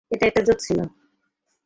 এটা একটা জোক ছিল!